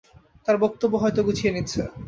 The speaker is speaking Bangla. তার বক্তব্য হয়তো গুছিয়ে নিচ্ছে।